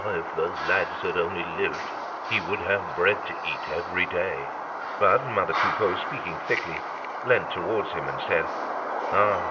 if the lads had only lived, he would have had bread to eat every day. But mother Coupeau, speaking thickly, leant towards him and said: "Ah!